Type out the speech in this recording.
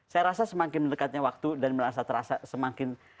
saya rasa semakin mendekatnya waktu dan merasa terasa semakin